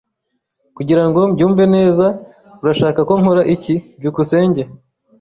Kugira ngo mbyumve neza, urashaka ko nkora iki? byukusenge